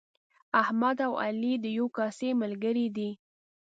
احمد او علي د یوې کاسې ملګري دي.